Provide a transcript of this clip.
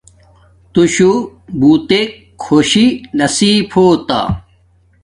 تو شو بوتک خوشنگ نصیب ہونتا